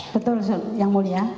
betul yang mulia